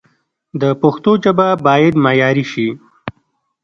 د پښتو ژبه باید معیاري شي